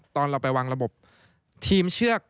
ตอนเราไปวางระบบทีมเชือก